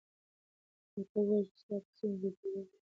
ماته ووایه چې ستا په سیمه کې د تودوخې درجه څومره ده.